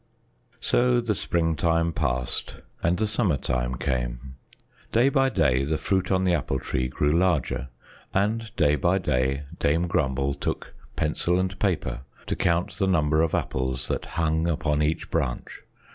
So the springtime passed and the summertime came. Day by day the fruit on the Apple Tree grew larger, and day by day Dame Grumble took pencil and paper to count the number of apples that hung upon each branch.